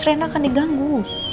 rena akan diganggu